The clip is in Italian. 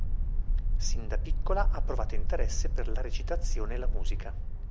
Sin da piccola ha provato interesse per la recitazione e la musica.